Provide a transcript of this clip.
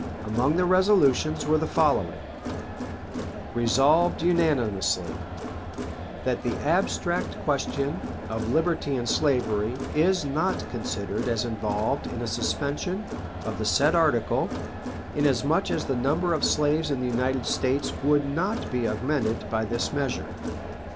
Among the resolutions were the following: "Resolved unanimously, That the abstract question of liberty and slavery is not considered as involved in a suspension of the said article, inasmuch as the number of slaves in the United States would not be augmented by this measure.